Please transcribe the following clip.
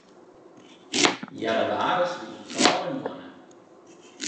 Jannewaris wie in kâlde moanne.